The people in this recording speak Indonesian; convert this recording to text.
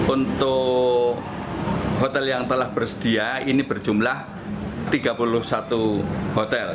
untuk hotel yang telah bersedia ini berjumlah tiga puluh satu hotel